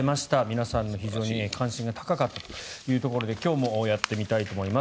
皆さんの非常に関心が高かったというところで今日もやってみたいと思います。